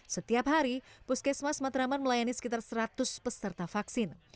setiap hari puskesmas matraman melayani sekitar seratus peserta vaksin